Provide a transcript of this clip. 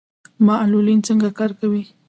معلولین څنګه کار کوي؟